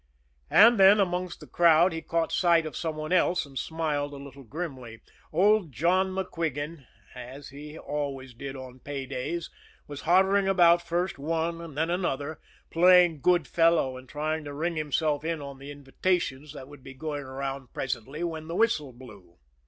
And then, amongst the crowd, he caught sight of some one else, and smiled a little grimly. Old John MacQuigan, as he always did on pay days, was hovering about first one, and then another, playing good fellow and trying to ring himself in on the invitations that would be going around presently when the whistle blew.